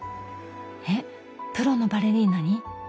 えっプロのバレリーナに？